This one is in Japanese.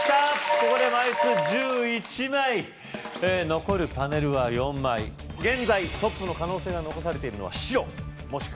ここで枚数１１枚残るパネルは４枚現在トップの可能性が残されているのは白もしくは青